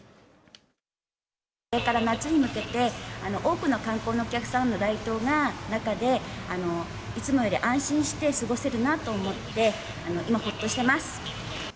これから夏に向けて、多くの観光のお客さんの来島がある中で、いつもより安心して過ごせるなと思って、今、ほっとしてます。